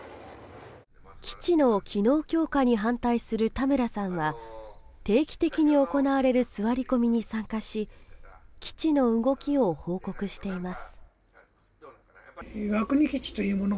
基地の機能強化に反対する田村さんは定期的に行われる座り込みに参加し基地の動きを報告しています